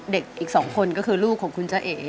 เด็กอีกสองคนก็คือลูกของคุณเจ้าเอ๊